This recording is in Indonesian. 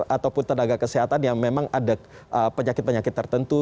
ataupun tenaga kesehatan yang memang ada penyakit penyakit tertentu